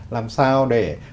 làm sao để